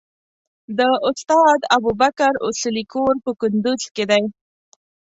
د استاد ابوبکر اصولي کور په کندوز کې دی.